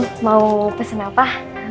om mau pesen apa